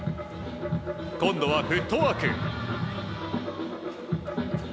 今度はフットワーク。